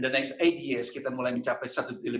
dan setelah delapan tahun kita mulai mencapai satu dua juta dolar